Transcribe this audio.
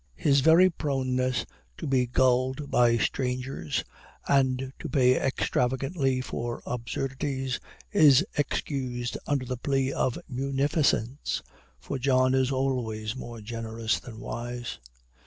His very proneness to be gulled by strangers, and to pay extravagantly for absurdities, is excused under the plea of munificence for John is always more generous than wise.